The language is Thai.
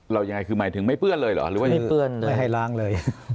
ยังไงคือหมายถึงไม่เปื้อนเลยเหรอหรือว่ายังไงไม่ให้ล้างเลย